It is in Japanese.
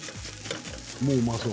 もう、うまそう。